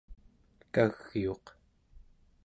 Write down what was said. kagiuq